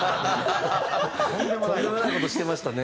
とんでもない事してましたね。